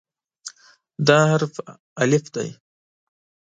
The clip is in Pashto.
دا حرف "الف" دی.